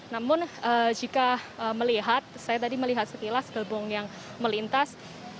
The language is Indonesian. namun jika melihat saya tadi melihat sekilas gerbong yang melintas